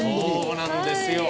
そうなんですよ。